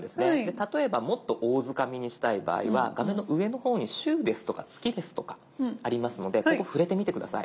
例えばもっと大づかみにしたい場合は画面の上の方に週ですとか月ですとかありますのでここ触れてみて下さい。